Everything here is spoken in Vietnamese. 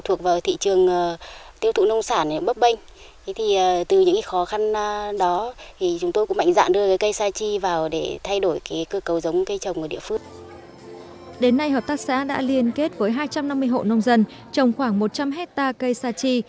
dự án đặt ra mục tiêu trồng và cung cấp các sản phẩm từ cây sa chi đáp ứng nhu cầu trong nước và xuất khẩu ra thế giới